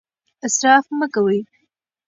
اسراف مه کوئ.